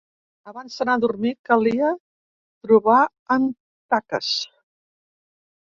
Abans d'anar a dormir calia trobar en Taques.